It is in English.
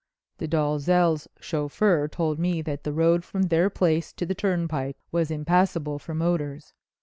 "The Dalzells' chauffeur told me that the road from their place to the turnpike was impassable for motors.